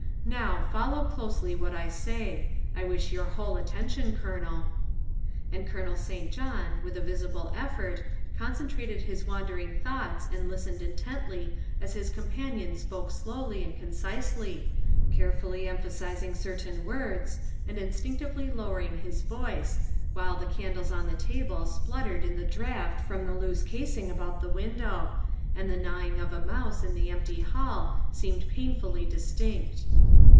Now, follow closely what I say; I wish your whole attention, Colonel." And Colonel St. John, with a visible effort, concen trated his wandering thoughts and listened intently as his companion spoke slowly and concisely, carefully em THE SECRETARY OF STATE 95 phasizing certain words and instinctively lowering his voice, while the candles on the table spluttered in the draught from the loose casing about the window, and the gnawing of a mouse in the empty hall seemed pain fully distinct.